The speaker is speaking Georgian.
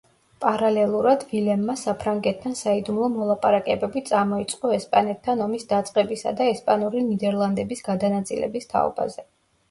პარალელურად, ვილემმა საფრანგეთთან საიდუმლო მოლაპარაკებები წამოიწყო ესპანეთთან ომის დაწყებისა და ესპანური ნიდერლანდების გადანაწილების თაობაზე.